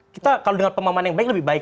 kita kalau dengan pemahaman yang baik lebih baik